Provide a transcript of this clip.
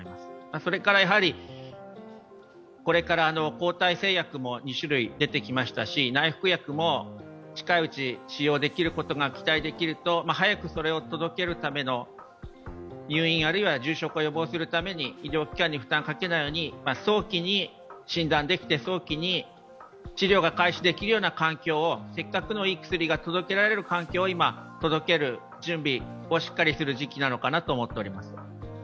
それから、これから抗体製薬も２種類出てきましたし内服薬も近いうちに使用できることが期待できると早くそれを届けるための入院、あるいは重症化を予防するために、医療機関に負担をかけないために早期に診断できて、早期に治療が開始できるような環境を、せっかくのいい薬が届けられる準備をしっかりする時期なのかなと思っております。